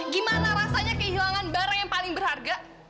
gimana rasanya kehilangan barang yang paling berharga